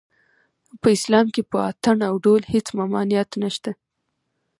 په اسلام کې په اټن او ډول هېڅ ممانعت نشته